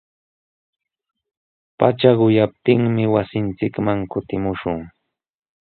Pacha quyaptinmi wasinchikman kutimushun.